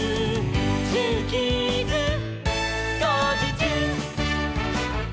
「ジューキーズ」「こうじちゅう！」